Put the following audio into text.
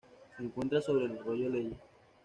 Se encuentra sobre el arroyo Leyes.